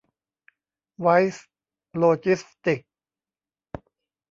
ไวส์ โลจิสติกส์